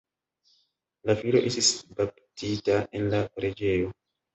La filo estis baptita en la preĝejo.